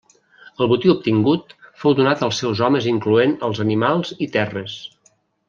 El botí obtingut fou donat als seus homes incloent els animals i terres.